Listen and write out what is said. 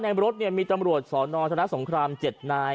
ในรถเนี่ยมีตำรวจสอนจณสงคราม๗นาย